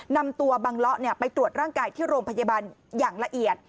นำตัวบังเลาะไปตรวจร่างกายที่โรงพยาบาลอย่างละเอียด